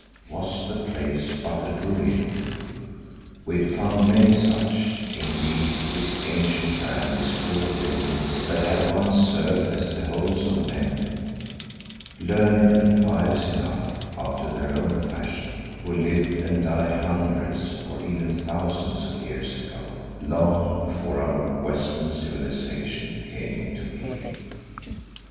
Was the place but a ruin? We had found many such; indeed this ancient land is full of buildings that had once served as the homes of men, learned and pious enough after their own fashion, who lived and died hundreds, or even thousands, of years ago, long before our Western civilization came into being.